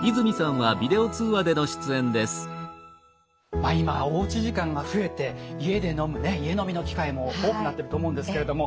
まあ今おうち時間が増えて家で飲むね家飲みの機会も多くなってると思うんですけれども。